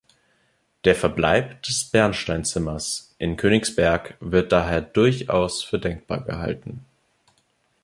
Der Verbleib des Bernsteinzimmers in Königsberg wird daher durchaus für denkbar gehalten.